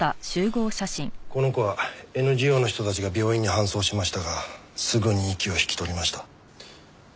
この子はＮＧＯの人たちが病院に搬送しましたがすぐに息を引き取りました。